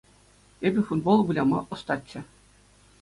Эпӗ футбол выляма ӑстаччӗ.